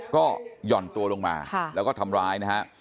ก็หย่อนตัวลงมาแล้วก็ทำร้ายนะฮะ